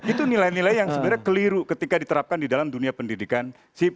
itu nilai nilai yang sebenarnya keliru ketika diterapkan di dalam dunia pendidikan